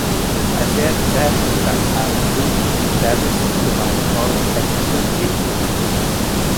Ezért az első világháborúig a Természettudományi Karral együtt több épületet kapott.